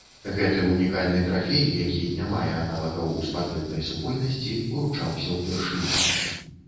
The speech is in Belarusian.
Гэты ўнікальны трафей, які не мае аналагаў у спартыўнай супольнасці, уручаўся ўпершыню.